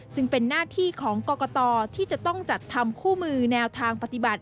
จึงเป็นหน้าที่ของกรกตที่จะต้องจัดทำคู่มือแนวทางปฏิบัติ